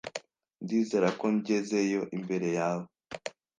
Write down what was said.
Ndizera ko ngezeyo imbere yawe.